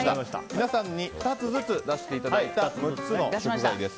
皆さんに２つずつ出していただいた６つの食材です。